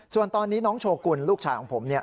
ส่วนตอนนี้น้องโชกุลลูกชายของผมเนี่ย